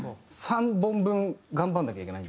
３本分頑張らなきゃいけない。